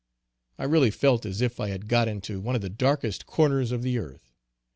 I really felt as if I had got into one of the darkest corners of the earth.